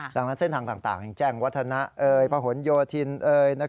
ดังนั้นเส้นทางต่างแจ้งวัฒนะพะหนโยธิน